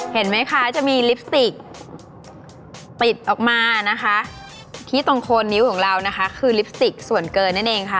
เห็นไหมคะจะมีลิปสติกปิดออกมานะคะที่ตรงโคนนิ้วของเรานะคะคือลิปสติกส่วนเกินนั่นเองค่ะ